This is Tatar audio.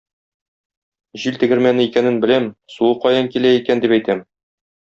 Җил тегермәне икәнен беләм, суы каян килә икән дип әйтәм.